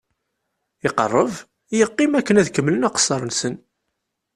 Iqerreb yeqqim akken ad kemmlen aqessar-nsen.